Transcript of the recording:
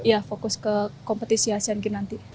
ya fokus ke kompetisi asean games nanti